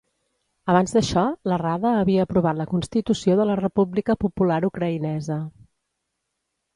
Abans d'això, la Rada havia aprovat la Constitució de la República Popular Ucraïnesa.